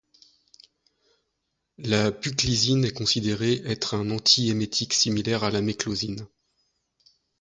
La buclizine est considérée être un antiémétique similaire à la méclozine.